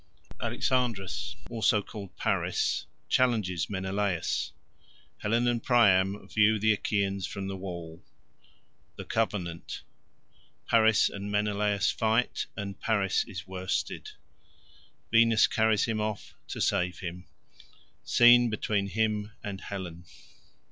Alexandria, also called Paris, challenges Menelaus—Helen and Priam view the Achaeans from the wall—The covenant—Paris and Menelaus fight, and Paris is worsted—Venus carries him off to save him—Scene between him and Helen.